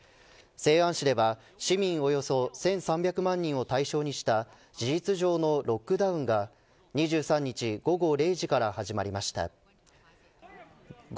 西安市では市民およそ１３００万人を対象にした事実上のロックダウンが２３日午前０時から始まりました。